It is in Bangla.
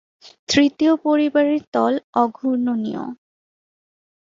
তৃতীয় পরিবারের তল অঘূর্ণনীয়।